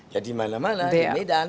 jadi mana mana di medan